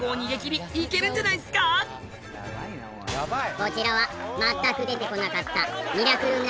こちらは全く出てこなかった『ミラクル９』